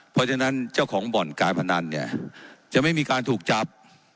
เพราะฉะนั้นเจ้าของบ่อนการพนันเนี่ยจะไม่มีการถูกจับ